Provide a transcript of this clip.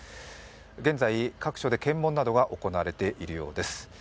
現在、各所で検問などが行われているようです。